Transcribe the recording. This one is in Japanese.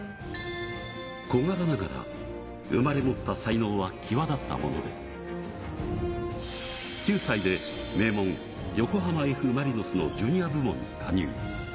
小柄ながら、生まれ持った才能は際立ったもので、９歳で名門、横浜Ｆ・マリノスのジュニア部門に加入。